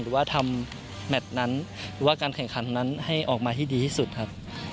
หรือว่าทำแมทนั้นหรือว่าการแข่งขันนั้นให้ออกมาให้ดีที่สุดครับ